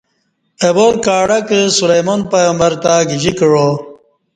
اہ وار کاڈکہ سلیمان پیغبرتہ گجی کعا